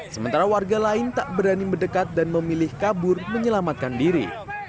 sementara warga lain tak berani mendekat dan memilih kabur menyelamatkan diri